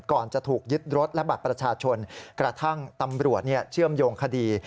ก่อนจะถูกยึดรถและบัตรประชาชนกระทั่งตำรวจเชื่อมโยงคดี